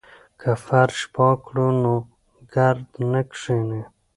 که فرش پاک کړو نو ګرد نه کښیني.